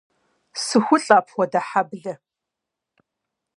СыхулӀэ апхуэдэ хьэблэ!